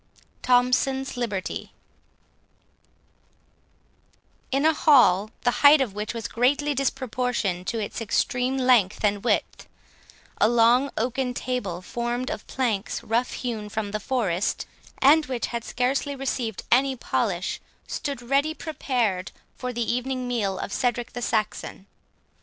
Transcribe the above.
THOMSON'S LIBERTY In a hall, the height of which was greatly disproportioned to its extreme length and width, a long oaken table, formed of planks rough hewn from the forest, and which had scarcely received any polish, stood ready prepared for the evening meal of Cedric the Saxon.